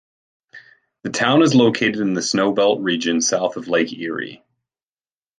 The town is located in the snowbelt region south of Lake Erie.